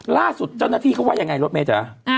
ล่าสุดเจ้าหน้าที่เขาว่ายังไงรถเมย์จ๊ะ